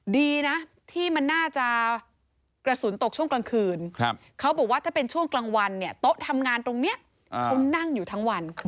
ดีนะที่มันน่าจะกระสุนตกช่วงกลางคืนเขาบอกว่าถ้าเป็นช่วงกลางวันเนี่ยโต๊ะทำงานตรงนี้เขานั่งอยู่ทั้งวัน